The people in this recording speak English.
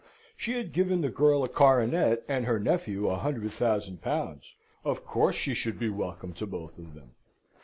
She had given the girl a coronet and her nephew a hundred thousand pounds. Of course she should be welcome to both of them.